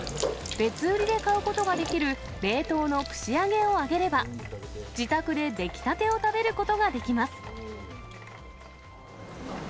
別売りで買うことができる冷凍の串揚げを揚げれば、自宅で出来たてを食べることができます。